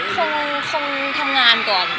คงทำงานก่อน